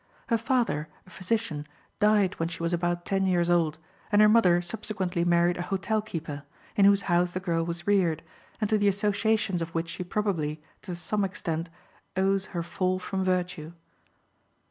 Her father, a physician, died when she was about ten years old, and her mother subsequently married a hotel keeper, in whose house the girl was reared, and to the associations of which she probably, to some extent, owes her fall from virtue.